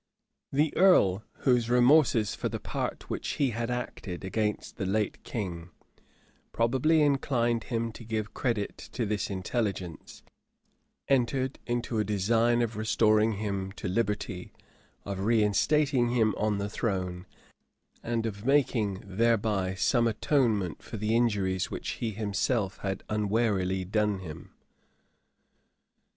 The earl, whose remorses for the part which he had acted against the late king probably inclined him to give credit to this intelligence, entered into a design of restoring him to liberty, of reinstating him on the throne, and of making thereby some atonement for the injuries which he himself had unwarily done him.